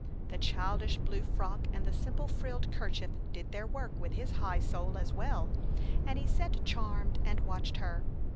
The childish blue frock and the simple frilled 'kerchief did their work with his high soul as well; and he sat, charmed, and watched her.